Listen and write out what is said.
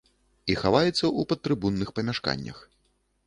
І хаваецца ў падтрыбунных памяшканнях.